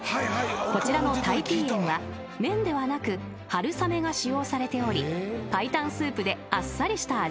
［こちらのタイピーエンは麺ではなく春雨が使用されており白湯スープであっさりした味わいです］